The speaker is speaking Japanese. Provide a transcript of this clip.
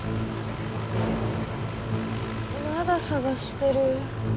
まださがしてる。